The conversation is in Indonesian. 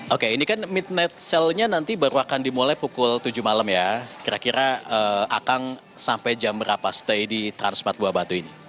oke ini kan midnight sale nya nanti baru akan dimulai pukul tujuh malam ya kira kira akang sampai jam berapa stay di transmart buah batu ini